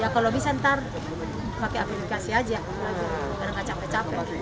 ya kalau bisa nanti pakai aplikasi saja karena tidak capek capek